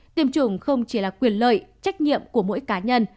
tiêm chủng không chỉ là quyền lợi trách nhiệm của mỗi cá nhân